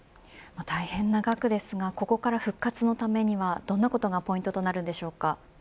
大変な額ですがここから復活のためにはどんなことがポイントとなるんでしょうか。